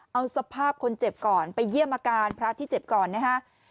เอาสภาพคนเจ็บก่อนไปเยี่ยมอาการพระที่เจ็บก่อนนะฮะ